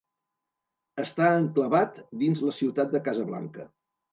Està enclavat dins la ciutat de Casablanca.